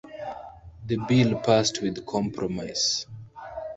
The bill passed with compromise.